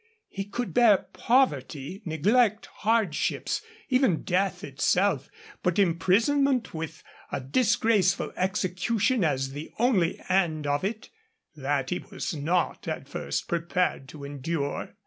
He could bear poverty, neglect, hardships, even death itself; but imprisonment, with a disgraceful execution as the only end of it, that he was not at first prepared to endure.